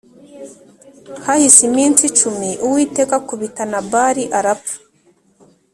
Hahise iminsi cumi, Uwiteka akubita Nabali arapfa.